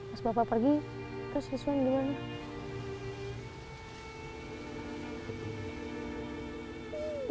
mas bapak pergi terus liswan gimana